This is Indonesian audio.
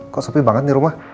kok sepi banget di rumah